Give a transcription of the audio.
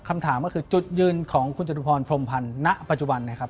อีกฝ่ายแล้วคำถามก็คือจุดยืนของคุณจตุพรพรมพันธ์ณปัจจุบัน